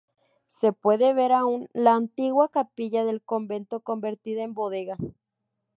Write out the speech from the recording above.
Se puede ver aún la antigua capilla del convento, convertida en bodega.